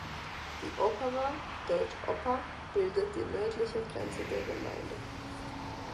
Die Opava (deutsch "Oppa") bildet die nördliche Grenze der Gemeinde.